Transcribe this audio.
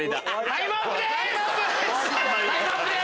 タイムアップです。